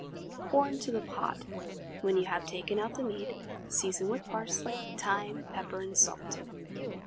Pour into the pot, when you have taken out the meat, season with parsley, thyme, pepper, and salt.